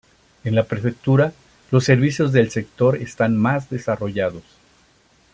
En la prefectura los servicios del sector están más desarrollados.